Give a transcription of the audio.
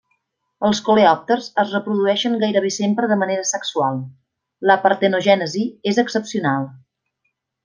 Els coleòpters es reprodueixen gairebé sempre de manera sexual; la partenogènesi és excepcional.